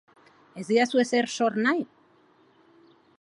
Ez didazu ezer zor nahi?